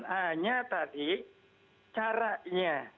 hanya tadi caranya